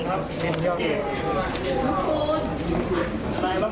มันยังไม่ถูกพบ